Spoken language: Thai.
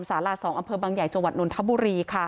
สาหร่าสองอำเภอบางใหญ่จวัดนทบุรี